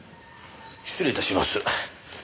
失礼致します。